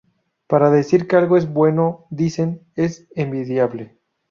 Para decir que algo es bueno dicen: "es envidiable"".